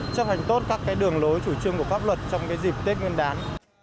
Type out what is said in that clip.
chấp hành tốt các đường lối chủ trương của pháp luật trong dịp tết nguyên đán